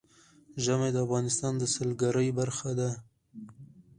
ژمی د افغانستان د سیلګرۍ برخه ده.